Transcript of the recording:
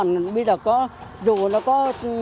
mình bây giờ có dù nó có